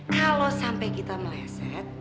kalau sampai kita meleset